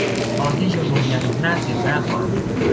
ตอนที่ชุมนุมยังหน้าสิ่วหน้าขวาน